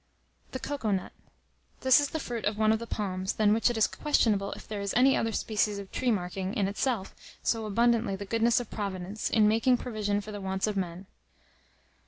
] THE COCOA NUT. This is the fruit of one of the palms, than which it is questionable if there is any other species of tree marking, in itself, so abundantly the goodness of Providence, in making provision for the wants of man.